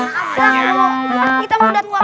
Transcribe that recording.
main bola itu yang semangat senyum